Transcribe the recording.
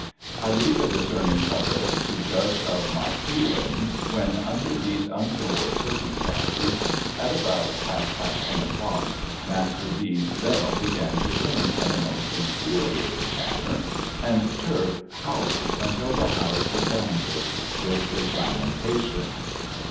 I leave a discerning public to judge of my feelings, when, under these untoward circumstances, at about half past ten o'clock Master B.'s bell began to ring in a most infuriated manner, and Turk howled until the house resounded with his lamentations